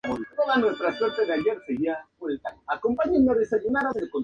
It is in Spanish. Los Springboks paulatinamente se convirtieron en el objetivo de protestas internacionales.